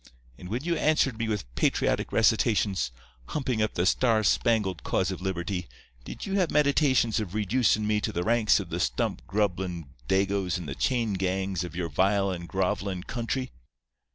And when you answered me with patriotic recitations, humping up the star spangled cause of liberty, did you have meditations of reducin' me to the ranks of the stump grubbin' Dagoes in the chain gangs of your vile and grovelin' country?